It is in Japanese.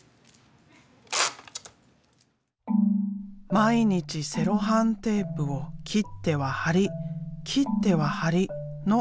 毎日セロハンテープを切っては貼り切っては貼りの繰り返し。